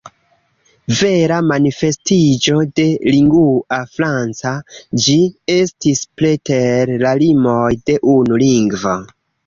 Vera manifestiĝo de ”lingua franca” ĝi estis preter la limoj de unu lingvo.